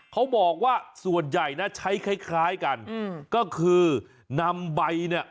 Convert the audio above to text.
เขาบอกว่าส่วนใหญ่นะใช้คล้ายคล้ายกันอืมก็คือนำใบเนี่ย